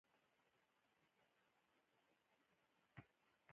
سپېڅلې کړۍ بیا له پرانیستو بنسټونو سره ملګرتیا کوي.